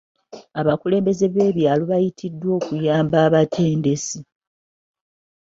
Abakulembeze b'ebyalo bayitiddwa okuyamba abatendesi.